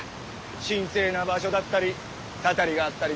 神聖な場所だったり祟りがあったりで。